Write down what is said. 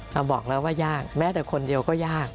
เราบอกแล้วว่ายากแม้แต่คนเดียวก็ยาก